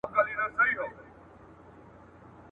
که تاریخونه مو په ریشتیا وای !.